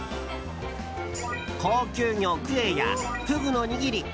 高級魚クエやフグの握り